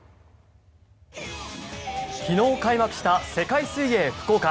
昨日開幕した世界水泳福岡。